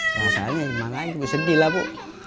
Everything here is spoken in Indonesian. masalahnya gimana lagi sedih lah bu